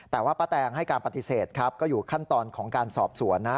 แต่ว่าป้าแตงให้การปฏิเสธครับก็อยู่ขั้นตอนของการสอบสวนนะ